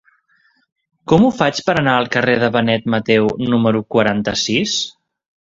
Com ho faig per anar al carrer de Benet Mateu número quaranta-sis?